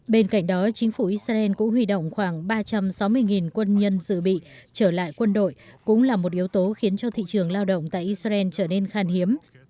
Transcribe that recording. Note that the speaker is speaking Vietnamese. bên cạnh đó chính phủ israel cũng huy động khoảng ba trăm sáu mươi quân nhân dự bị trở lại quân đội cũng là một yếu tố khiến cho thị trường lao động tại israel trở nên khan hiếm